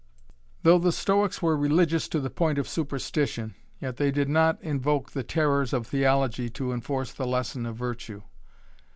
Though the Stoics were religious to the point of superstition, yet they did not invoke the terrors of theology to enforce the lesson of virtue.